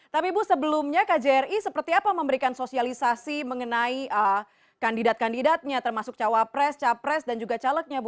tapi ibu sebelumnya kjri seperti apa memberikan sosialisasi mengenai kandidat kandidatnya termasuk cawapres capres dan juga calegnya